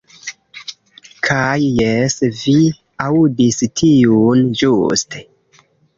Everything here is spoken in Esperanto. Kaj jes vi aŭdis tiun ĵuste.